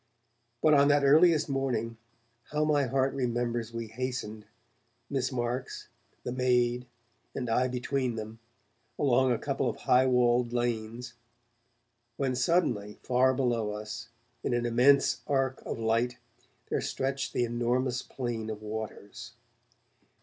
But on that earliest morning, how my heart remembers we hastened, Miss Marks, the maid, and I between them, along a couple of high walled lanes, when suddenly, far below us, in an immense arc of light, there stretched the enormous plain of waters.